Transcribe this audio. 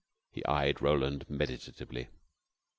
He eyed Roland meditatively.